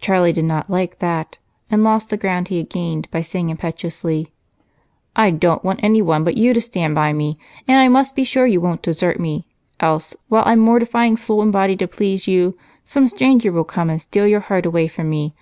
Charlie did not like that and lost the ground he had gained by saying impetuously: "I don't want anyone but you to stand by me, and I must be sure you won't desert me, else, while I'm mortifying soul and body to please you, some stranger will come and steal your heart away from me.